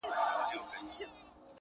o زور چي زورور سي، عقل مرور سي.